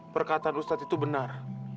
perkataan ustaz itu benar